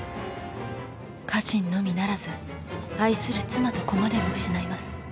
家臣のみならず愛する妻と子までも失います。